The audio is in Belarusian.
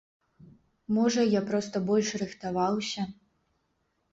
Можа, я проста больш рыхтаваўся.